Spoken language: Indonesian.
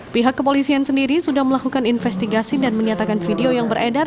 pihak kepolisian sendiri sudah melakukan investigasi dan menyatakan video yang beredar